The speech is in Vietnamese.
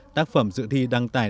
tác phẩm dự thi đăng tải